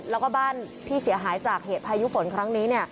แล้วก็บ้านที่เสียหายจากเหตุพายุฝนครั้งนี้